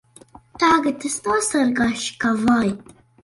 Tagad es nosargāšu ka vai!